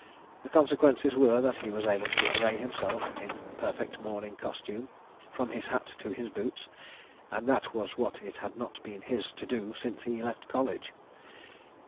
The consequences were that he was able to array himself in perfect morning costume, from his hat to his boots, and that was what it had not been his to do since he left college.